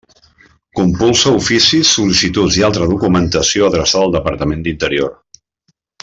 Compulsa oficis, sol·licituds i altra documentació adreçada al Departament d'Interior.